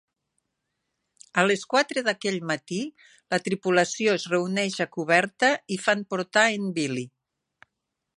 A les quatre d'aquell matí, la tripulació es reuneix a coberta i fan portar en Billy.